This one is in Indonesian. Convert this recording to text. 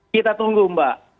kita tunggu mbak